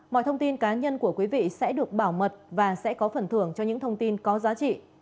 mọi thông tin cá nhân của quý vị sẽ được bảo mật và sẽ có phần thưởng cho những thông tin có giá trị